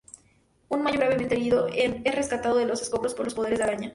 Un mayo gravemente herido es rescatado de los escombros por los poderes de Araña.